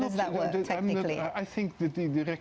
jadi panggung laut itu ide yang baik